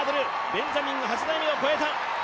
ベンジャミンが８台目を越えた。